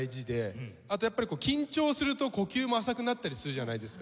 あとやっぱり緊張すると呼吸も浅くなったりするじゃないですか。